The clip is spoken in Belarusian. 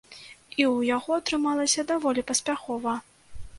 І ў яго атрымалася даволі паспяхова.